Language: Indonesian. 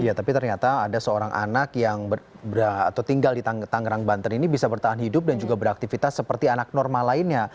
iya tapi ternyata ada seorang anak yang tinggal di tangerang banten ini bisa bertahan hidup dan juga beraktivitas seperti anak normal lainnya